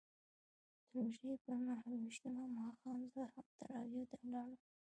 د روژې پر نهه ویشتم ماښام زه هم تراویحو ته ولاړم.